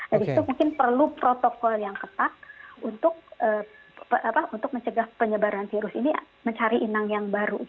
jadi itu mungkin perlu protokol yang ketat untuk mencegah penyebaran virus ini mencari inang yang baru